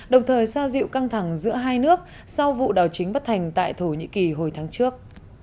đồng thời xoa dịu căng thẳng giữa hai nước sau vụ đảo chính bất thành tại thổ nhĩ kỳ hồi tháng trước